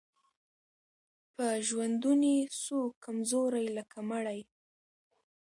په ژوندوني سو کمزوری لکه مړی